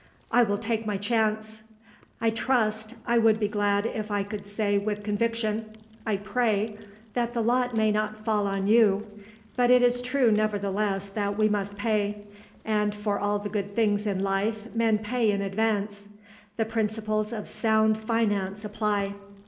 "I will take my chance." "I trust, I would be glad if I could say with conviction, I pray, that the lot may not fall on you. But it is true nevertheless that we must pay, and for all the good things in life men pay in advance. The principles of sound finance apply."